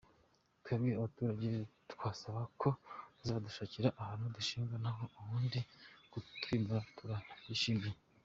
Twebwe abaturage twasaba ko bazadushakira ahantu duhinga naho ubundi kutwimura turabyishimiye.